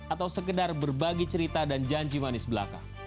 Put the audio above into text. atau sekedar berbagi cerita dan janji manis belaka